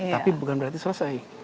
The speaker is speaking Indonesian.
tapi bukan berarti selesai